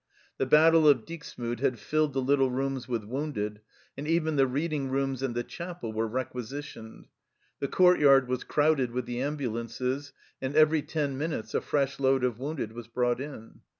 The battle of Dixmude had filled the little rooms with wounded, and even the reading rooms and the chapel were requisi tioned. The courtyard was crowded with the ambulances, and every ten minutes a fresh load of wounded was brought in.